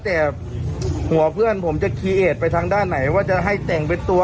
แต่หัวเพื่อนผมจะคีย์เอสไปทางด้านไหนว่าจะให้แต่งเป็นตัว